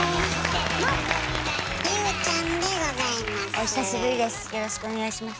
お久しぶりです。